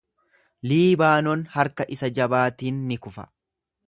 Liibaanon harka isa jabaatiin in kufa.